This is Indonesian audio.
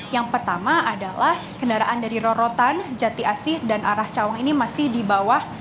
yang pertama adalah kendaraan dari rorotan jati asih dan arah cawang ini masih di bawah